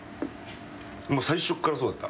もう最初っからそうだった？